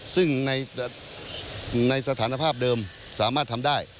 ซึ่งในสถานภาพเดิมสามารถทำได้